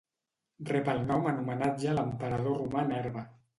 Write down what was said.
Rep el nom en homenatge a l'emperador romà Nerva.